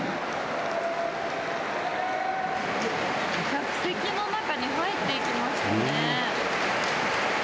客席の中に入っていきますね。